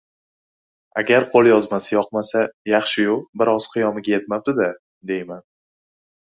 Agar qo‘lyozmasi yoqmasa, “Yaxshi-yu, bir oz qiyomiga yetmabdi-da”, deyman.